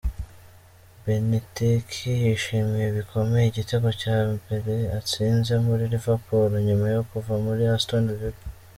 Beniteki yishimiye bikomeye igitego cya mbereatsinze muri Liverpool nyuma yo kuva muri Aston Villa.